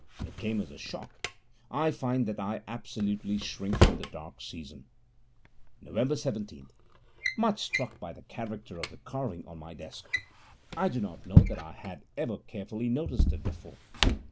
It came as a shock: I find that I absolutely shrink from the dark season. Nov. 17 Much struck by the character of the carving on my desk: I do not know that I had ever carefully noticed it before.